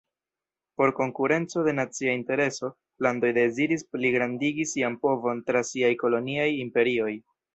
Por konkurenco de nacia intereso, landoj deziris pligrandigi sian povon tra siaj koloniaj imperioj.